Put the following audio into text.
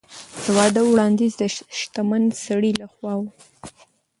د واده وړاندیز د شتمن سړي له خوا و.